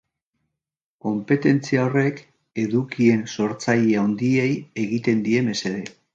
Konpetentzia horrek edukien sortzaile handiei egiten die mesede.